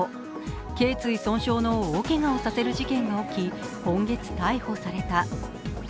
けい椎損傷の大けがをさせる事件が起き、今月逮捕された。